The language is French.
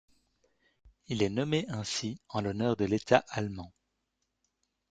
Il est nommé ainsi en l'honneur de l'État allemand.